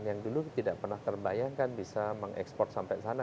yang dulu tidak pernah terbayangkan bisa mengekspor sampai sana